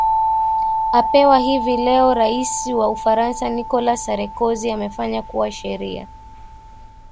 apema hivi leo rais wa ufaransa nicholas sarekozy amefanya kuwa sheria